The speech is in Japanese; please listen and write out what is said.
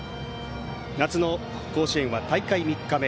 夏の甲子園は大会３日目。